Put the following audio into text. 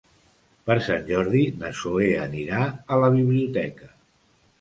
Per Sant Jordi na Zoè anirà a la biblioteca.